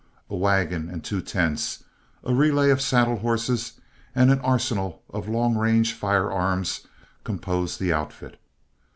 A wagon and two tents, a relay of saddle horses, and an arsenal of long range firearms composed the outfit.